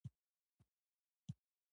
نوی امید ژوند ته رڼا راولي